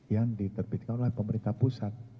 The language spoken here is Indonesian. yang diterbitkan oleh pemerintah pusat